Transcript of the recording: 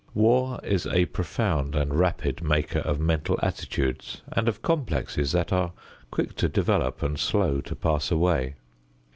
War is a profound and rapid maker of mental attitudes and of complexes that are quick to develop and slow to pass away.